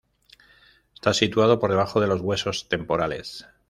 Está situado por debajo de los huesos temporales.